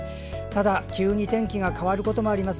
ただ、急に天気が変わることもあります。